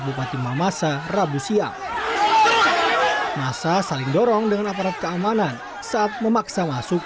bupati mamasa rabu siang masa saling dorong dengan aparat keamanan saat memaksa masuk